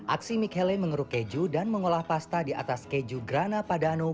aksi michele mengeruk keju dan mengolah pasta di atas keju grana padano